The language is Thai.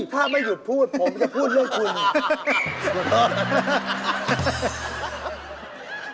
ถ้าไม่หยุดพูดผมจะพูดเลือกคุณ